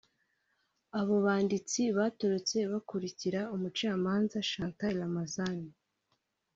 Abo banditsi batorotse bakurikira Umucamanza Chantal Ramazani